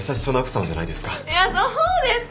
えっそうですか？